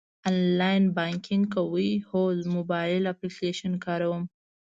آنلاین بانکینګ کوئ؟ هو، موبایل اپلیکیشن کاروم